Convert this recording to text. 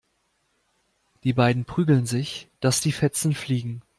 Die beiden prügeln sich, dass die Fetzen fliegen.